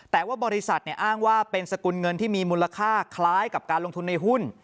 แต่ว่าบริษัทอ้างว่าเป็นสกุลเงินที่มีมูลค่าคล้ายกับการลงทุนในหุ้น